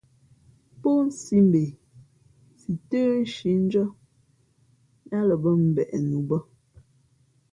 Pó nsī mbe si tə́ nshǐ ndʉ́ά yáá lα bᾱ mbeʼ nu bᾱ.